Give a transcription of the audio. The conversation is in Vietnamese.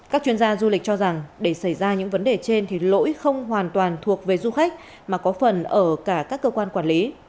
các chuyên gia du lịch cho rằng để xảy ra những vấn đề trên thì lỗi không hoàn toàn thuộc về du khách mà có phần ở cả các cơ quan quản lý